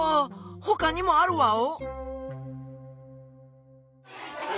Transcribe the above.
ほかにもあるワオ？